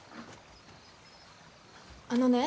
あのね